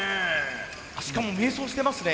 しかも迷走してますね。